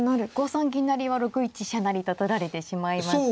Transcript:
５三銀成は６一飛車成と取られてしまいますし。